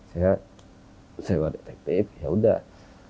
saya saya warah detektif yaudah